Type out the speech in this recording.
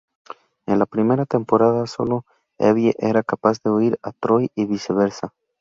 En la primera temporada solo Evie era capaz de oír a Troy y viceversa.